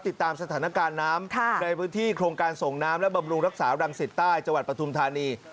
ติดตามสถานการณ์น้ำในพื้นที่โครงการส่งน้ำและบำรุงรักษารังสิตใต้จังหวัดปฐุมธานี